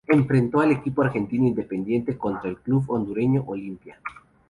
Enfrentó al equipo argentino Independiente contra el club hondureño Olimpia.